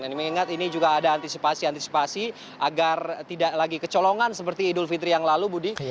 ini mengingat ini juga ada antisipasi antisipasi agar tidak lagi kecolongan seperti idul fitri yang lalu budi